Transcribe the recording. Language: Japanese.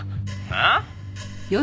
ああ？